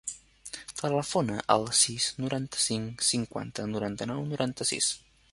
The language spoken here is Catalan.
Telefona al sis, noranta-cinc, cinquanta, noranta-nou, noranta-sis.